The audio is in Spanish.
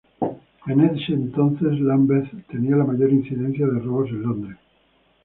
En ese entonces Lambeth tenía la mayor incidencia de robos en Londres.